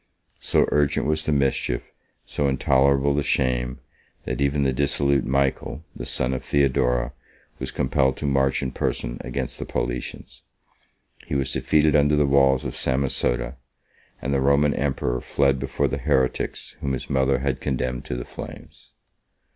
So urgent was the mischief, so intolerable the shame, that even the dissolute Michael, the son of Theodora, was compelled to march in person against the Paulicians: he was defeated under the walls of Samosata; and the Roman emperor fled before the heretics whom his mother had condemned to the flames.